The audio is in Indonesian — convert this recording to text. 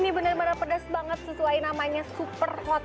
ini bener bener pedas banget sesuai namanya super hot